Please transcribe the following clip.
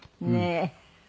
ねえ。